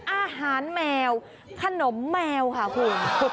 อาหารแมวขนมแมวค่ะคุณ